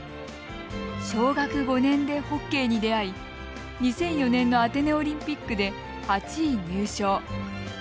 小学５年でホッケーに出会い２００４年のアテネオリンピックで８位入賞。